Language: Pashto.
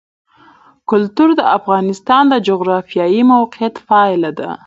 کلتور د افغانستان د جغرافیایي موقیعت پایله ده.